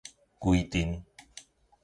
規陣